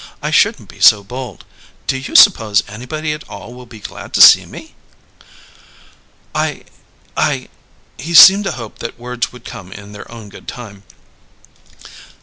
I shouldn't be so bold! Do you suppose anybody at all will be glad to see me?" "I I " He seemed to hope that words would come in their own good time.